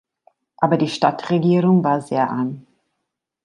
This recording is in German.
Aber die Stadtregierung war sehr arm.